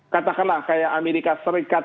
katakanlah kayak amerika serikat